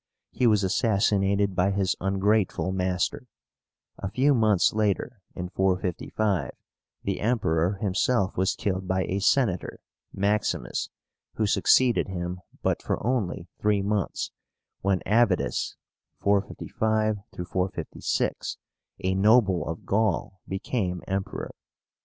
He was assassinated by his ungrateful master. A few months later, in 455, the Emperor himself was killed by a Senator, MAXIMUS, who succeeded him, but for only three months, when AVÍTUS (455 456), a noble of Gaul, became Emperor.